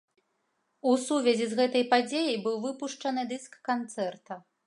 У сувязі з гэтай падзеяй быў выпушчаны дыск канцэрта.